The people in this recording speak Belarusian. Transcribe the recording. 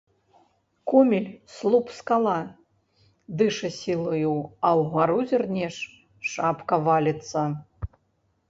Комель — слуп-скала, дыша сілаю, а ўгару зірнеш — шапка валіцца.